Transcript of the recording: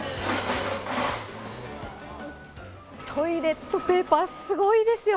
トイレットペーパー、すごいですよ。